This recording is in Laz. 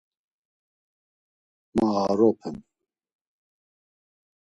Ma aoropen.